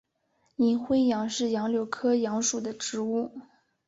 银灰杨是杨柳科杨属的植物。